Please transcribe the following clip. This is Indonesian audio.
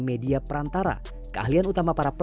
namun ternyata internet dan teknologi sejauh ini tidak bergantung